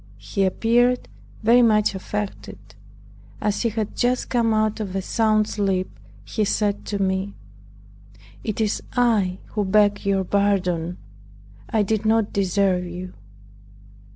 He appeared very much affected. As he had just come out of a sound sleep, he said to me, "It is I who beg your pardon, I did not deserve you."